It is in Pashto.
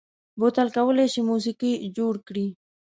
بوتل کولای شي موسيقي جوړ کړي.